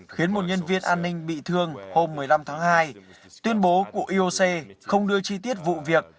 khiến một nhân viên an ninh bị thương hôm một mươi năm tháng hai tuyên bố của ioc không đưa chi tiết vụ việc